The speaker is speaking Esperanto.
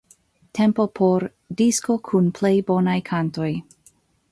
Tempo por 'disko kun plej bonaj kantoj'.